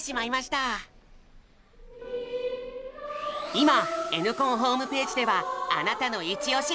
今Ｎコンホームページではあなたのイチオシ！